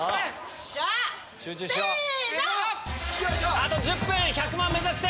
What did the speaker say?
あと１０分１００万目指して！